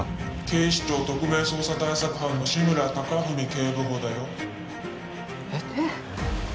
警視庁特命捜査対策班の志村貴文警部補だよえっ？えっ？